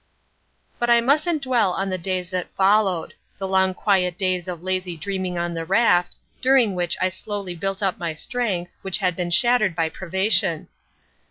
But I mustn't dwell on the days that followed—the long quiet days of lazy dreaming on the raft, during which I slowly built up my strength, which had been shattered by privation.